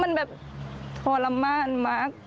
แต่เธอก็ไม่ละความพยายาม